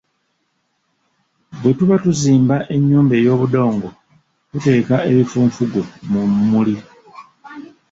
Bwe tuba tuzimba enyumba ey'obudongo tuteeka ebifunfugu mu mmuli.